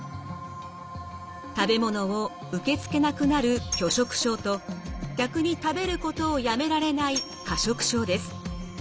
食べ物を受け付けなくなる拒食症と逆に食べることをやめられない過食症です。